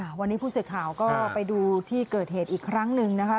วันนี้ผู้สื่อข่าวก็ไปดูที่เกิดเหตุอีกครั้งหนึ่งนะคะ